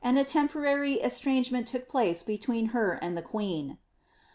a temporary estrangement took place between her and the qneen.